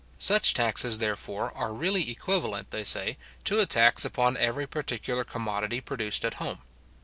Such taxes, therefore, are really equivalent, they say, to a tax upon every particular commodity produced at home.